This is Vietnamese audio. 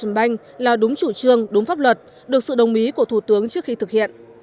trần bank là đúng chủ trương đúng pháp luật được sự đồng ý của thủ tướng trước khi thực hiện